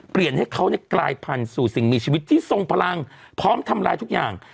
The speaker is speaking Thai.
เปลี่ยนให้เขากลายพันธุ์สู่สิ่งมีชีวิตที่ทรงพลังพร้อมทำลายทุกอย่าง